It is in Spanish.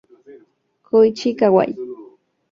Koichi Kawai